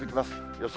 予想